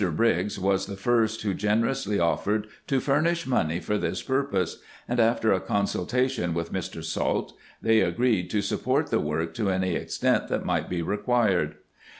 Briggs was the first who generously offered to furnish money for this pur pose ; and, after a consultation with Mr. Salt, they agreed to sup port the work to any extent that might be required.